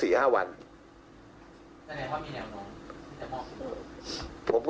แล้วไหนว่ามีแนวน้องที่จะมอบตัว